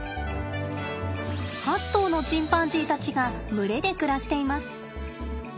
８頭のチンパンジーたちが群れで暮らしています。